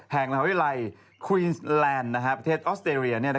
แห่งหลายควีนส์แลนด์ประเทศออสเตรีย